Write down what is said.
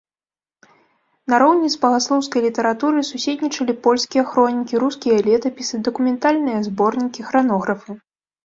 Нароўні з багаслоўскай літаратурай суседнічалі польскія хронікі, рускія летапісы, дакументальныя зборнікі, хранографы.